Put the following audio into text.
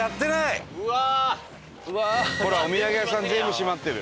ほらお土産屋さん全部閉まってる。